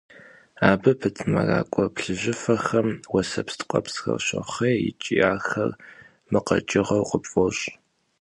Абы пыт мэракӀуэ плъыжьыбзэхэм уэсэпс ткӀуэпсхэр щохъей икӀи ахэр мыкъэкӀыгъэу къыпфӀощӀ.